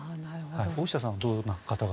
大下さんはどんな方が？